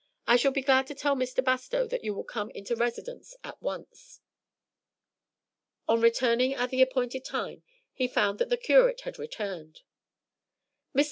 I shall be glad to tell Mr. Bastow that you will come into residence at once." On returning at the appointed time he found that the curate had returned. "Mr.